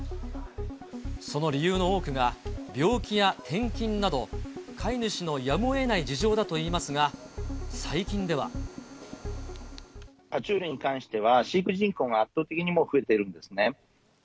その理由の多くが、病気や転勤など、飼い主のやむをえない事情だといいますが、最近では。は虫類に関しては、飼育人口が圧倒的に、もう増えているんですね。